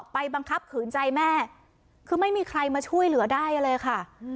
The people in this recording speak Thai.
บังคับขืนใจแม่คือไม่มีใครมาช่วยเหลือได้เลยค่ะ